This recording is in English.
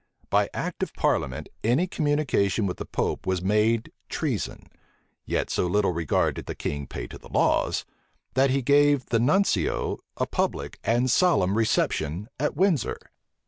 By act of parliament, any communication with the pope was made treason: yet so little regard did the king pay to the laws, that he gave the nuncio a public and solemn reception at Windsor.